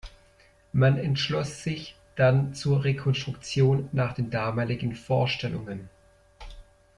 Man entschloss sich dann zur Rekonstruktion nach den damaligen Vorstellungen.